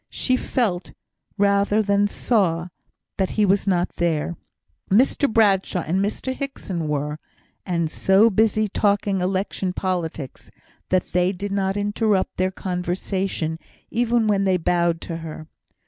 She felt, rather than saw, that he was not there. Mr Bradshaw and Mr Hickson were, and so busy talking election politics that they did not interrupt their conversation even when they bowed to her.